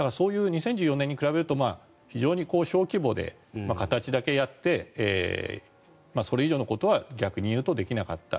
だから、２０１４年に比べると非常に小規模で、形だけやってそれ以上のことは逆に言うとできなかった。